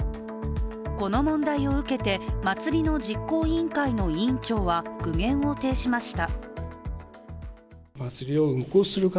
この問題を受けて、祭の実行委員会の委員長は苦言を呈しました。